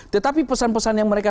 tetapi pesan pesan yang mereka